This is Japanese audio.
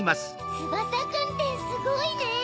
つばさくんってすごいね！